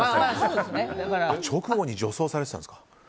直後に女装されてたんですか。